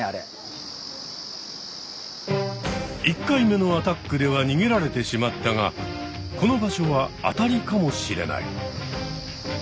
１回目のアタックではにげられてしまったがこの場所は当たりかもしれない。